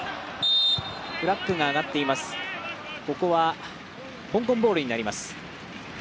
ここは香港ボールになります。